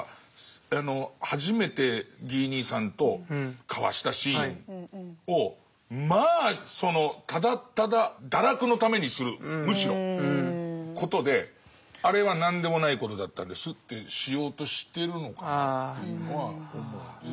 初めてギー兄さんと交わしたシーンをまあそのただただ堕落のためにするむしろことであれは何でもないことだったんですとしようとしてるのかなっていうのは思います。